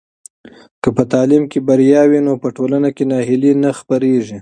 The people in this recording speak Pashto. که په تعلیم کې بریا وي نو په ټولنه کې ناهیلي نه خپرېږي.